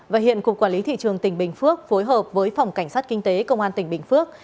và hiện cục quản lý thị trường tỉnh bình phước phối hợp với phòng cảnh sát kinh tế công an tỉnh bình phước